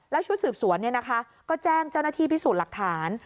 แล้วชุดสืบสวนก็แจ้งเจ้าหน้าที่พิสูจน์หลักฐาน